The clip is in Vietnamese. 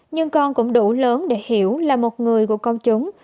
nhưng con cũng đủ lớn để hiểu là một người của công chúng